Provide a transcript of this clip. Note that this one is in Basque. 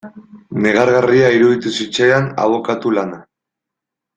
Negargarria iruditu zitzaidan abokatu lana.